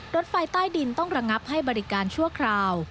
รถไฟใต้ดินต้องระงับให้บริการชั่วคราว